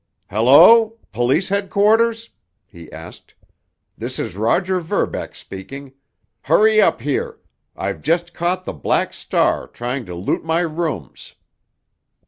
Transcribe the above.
"Hello! Police headquarters?" he asked. "This is Roger Verbeck speaking. Hurry up here! I've just caught the Black Star trying to loot my rooms.